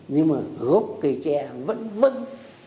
nhưng mà gốc cây trè vẫn vững